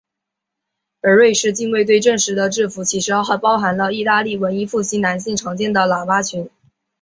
而瑞士近卫队正式的制服其实还包含了义大利文艺复兴男性常见的喇叭裙。